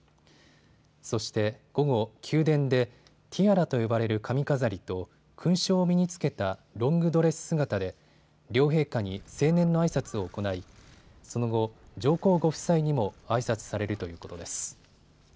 そして午後、宮殿でティアラと呼ばれる髪飾りと勲章を身につけたロングドレス姿で両陛下に成年のあいさつを行いその後、上皇ご夫妻にも、あいさつされるということです。